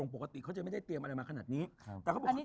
ก็เลยจะเซอร์ไพรส์เขาทนไม่ไหวมาให้ตอนนี้